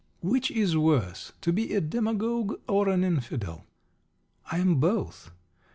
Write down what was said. Which is worse, to be a Demagogue or an Infidel? I am both.